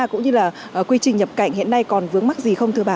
cũng như là quy trình nhập cạnh hiện nay còn vướng mắt gì không thưa bà